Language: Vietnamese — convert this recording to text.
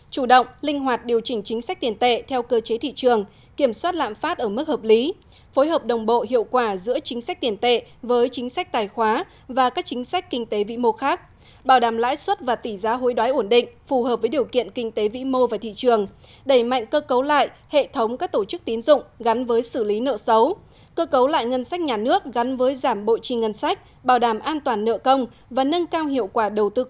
bốn chủ động linh hoạt điều chỉnh chính sách tiền tệ theo cơ chế thị trường kiểm soát lạm phát ở mức hợp lý phối hợp đồng bộ hiệu quả giữa chính sách tiền tệ với chính sách tài khoá và các chính sách kinh tế vĩ mô khác bảo đảm lãi suất và tỷ giá hối đoái ổn định phù hợp với điều kiện kinh tế vĩ mô và thị trường đẩy mạnh cơ cấu lại hệ thống các tổ chức tín dụng gắn với xử lý nợ xấu cơ cấu lại ngân sách nhà nước gắn với giảm bộ trì ngân sách bảo đảm an toàn nợ công và nâng ca